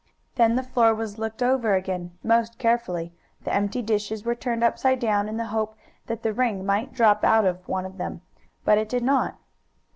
Then the floor was looked over again, most carefully, the empty dishes were turned upside down in the hope that the ring might drop out of one of them. But it did not.